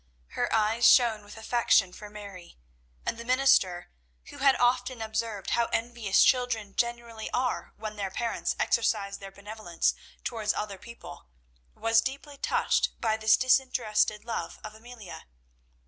Her eyes shone with affection for Mary; and the minister, who had often observed how envious children generally are when their parents exercise their benevolence towards other people, was deeply touched by this disinterested love of Amelia.